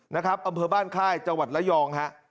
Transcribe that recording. อำเภอบ้านค่ายจังหวัดระยองฮะ